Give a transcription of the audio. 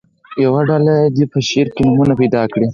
یوه ډله دې په شعر کې نومونه پیدا کړي.